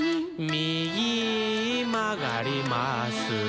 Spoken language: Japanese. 「みぎまがります」